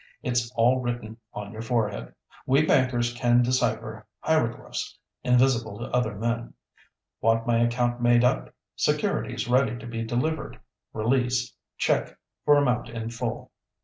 "It's all written on your forehead. We bankers can decipher hieroglyphs invisible to other men. 'Want my account made up—securities ready to be delivered—release—cheque for amount in full.